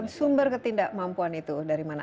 sumber ketidakmampuan itu dari mana